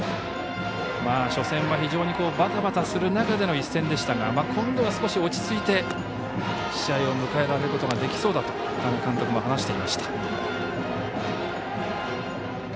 初戦は非常にバタバタする中での一戦でしたが今度は少し落ち着いて試合を迎えることができそうだと多賀監督も話していました。